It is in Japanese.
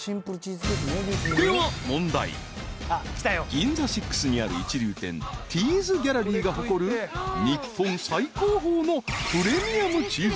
［ＧＩＮＺＡＳＩＸにある一流店Ｔ’ｓＧＡＬＬＥＲＹが誇る日本最高峰のプレミアムチーズケーキ］